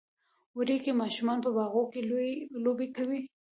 وری کې ماشومان په باغونو کې لوبې کوي.